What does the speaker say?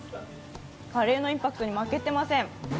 カレーのインパクトに負けていません。